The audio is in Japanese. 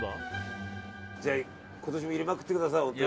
じゃあ今年も入れまくってください。